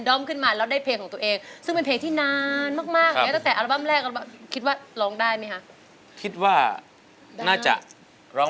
ร้องไม่ได้ร้องไม่ได้หรอกถ้าเพลงไม่เคยร้อง